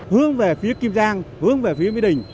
hướng về phía kim giang hướng về phía mỹ đình